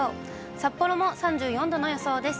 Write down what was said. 札幌も３４度の予想です。